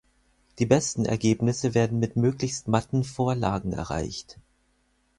Die besten Ergebnisse werden mit möglichst matten Vorlagen erreicht.